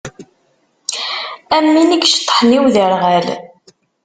Am win i yeceṭṭḥen i uderɣal.